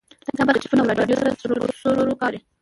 دا برخه له ټلیفون او راډیو سره سروکار لري.